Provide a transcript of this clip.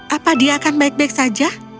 apa dia akan baik baik saja